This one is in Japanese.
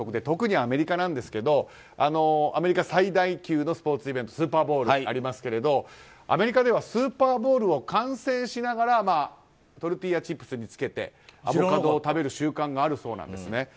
特にアメリカなんですがアメリカ最大級のスポーツイベントスーパーボウルってありますけどアメリカではスーパーボウルを観戦しながらトルティーヤチップスにつけてアボカドを食べる習慣があるそうです。